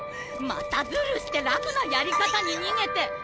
またズルして楽なやり方に逃げて！